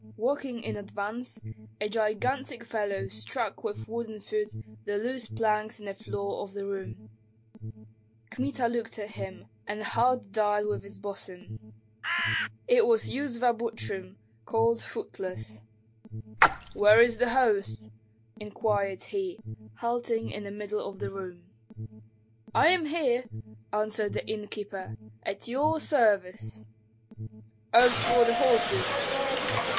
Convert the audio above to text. Walking in advance, a gigantic fellow struck with wooden foot the loose planks in the floor of the room. Kmita looked at him, and the heart died within his bosom. It was Yuzva Butrym, called Footless. "But where is the host?" inquired he, halting in the middle of the room. "I am here!" answered the innkeeper, "at your service." "Oats for the horses!"